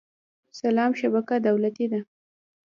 سلام شبکه دولتي ده